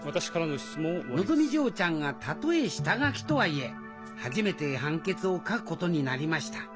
のぞみ嬢ちゃんがたとえ下書きとはいえ初めて判決を書くことになりました。